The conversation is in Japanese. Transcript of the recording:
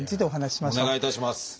お願いいたします。